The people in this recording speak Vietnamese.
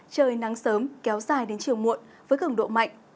trời nắng sớm kéo dài đến chiều muộn với cường độ mạnh